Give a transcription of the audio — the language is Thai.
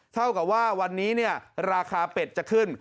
เท่ากับว่าวันนี้ราคาเป็ดจะขึ้น